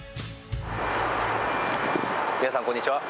皆さんこんにちは。